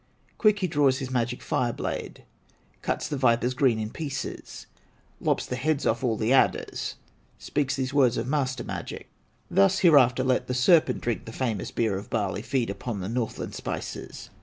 Quick he draws his magic fire blade, Cuts the vipers green in pieces, Lops the heads off all the adders, Speaks these words of master magic: "Thus, hereafter, let the serpent Drink the famous beer of barley, Feed upon the Northland spices!"